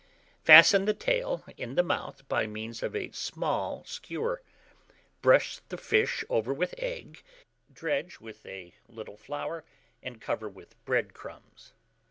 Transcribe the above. Fasten the tail in the mouth by means of a small skewer, brush the fish over with egg, dredge with a little flour, and cover with bread crumbs.